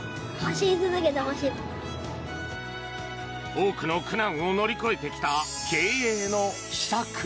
多くの苦難を乗り越えてきた経営の秘策。